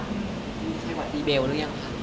มีที่วัดดีเบลด้วยหรือยังคะ